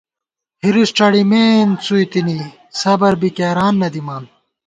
حِرِص ڄڑِمېن څُوئی تنی ، صبر بی کېران نہ دِمان